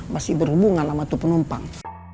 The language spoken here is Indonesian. masih berhubungan sama penumpang